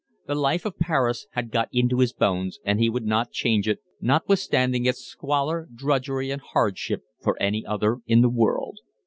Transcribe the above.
The life of Paris had got into his bones, and he would not change it, notwithstanding its squalor, drudgery, and hardship, for any other in the world.